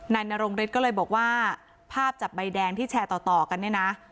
นายนรงฤทธิ์ก็เลยบอกว่าภาพจับใบแดงที่แชร์ต่อกันเนี่ยนะ